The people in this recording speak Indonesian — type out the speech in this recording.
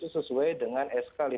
sesuai dengan sk lima ratus satu